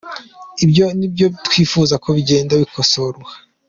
Ibyo ni byo twifuza ko bigenda bikosorwa.